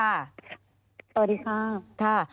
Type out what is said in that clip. สวัสดีค่ะ